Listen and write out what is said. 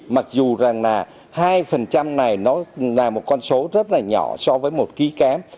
mặc dù rằng là hai này nó là một con số rất là nhỏ so với một ký kém